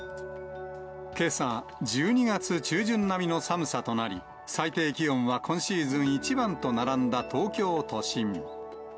けさ、１２月中旬並みの寒さとなり、最低気温は今シーズン一番と並んだ東京都心。